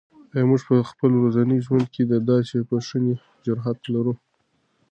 آیا موږ په خپل ورځني ژوند کې د داسې بښنې جرات لرو؟